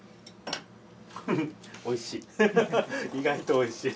おいしい。